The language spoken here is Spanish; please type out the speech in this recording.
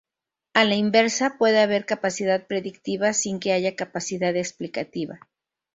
A la inversa, puede haber capacidad predictiva sin que haya capacidad explicativa.